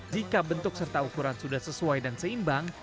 jika bentuk serta ukuran sudah sesuai dan seimbang